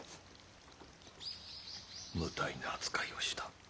無体な扱いをした。